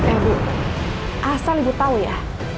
ibu asal ibu tau ya